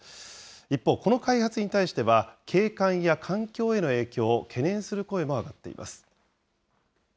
一方、この開発に対しては、景観や環境への影響を懸念する声も上がっています。